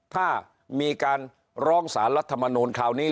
ถ้ามีการร้องสารรัฐมนูลคราวนี้